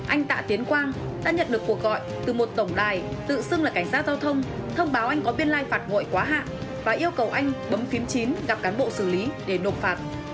anh tạ tiến quang đã nhận được cuộc gọi từ một tổng đài tự xưng là cảnh sát giao thông thông báo anh có biên lai phạt nguội quá hạn và yêu cầu anh bấm phím chín gặp cán bộ xử lý để nộp phạt